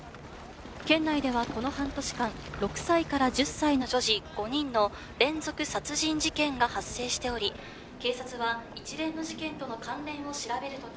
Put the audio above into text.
「県内ではこの半年間６歳から１０歳の女児５人の連続殺人事件が発生しており警察は一連の事件との関連を調べるとともに」